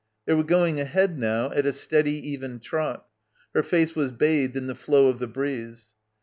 They were going ahead now at a steady even trot. Her face was bathed in the flow of the breeze.